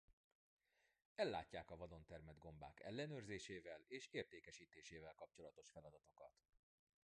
Ellátják a vadon termett gombák ellenőrzésével és értékesítésével kapcsolatos feladatokat.